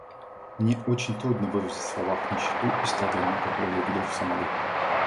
Мне очень трудно выразить в словах нищету и страдания, которые я видел в Сомали.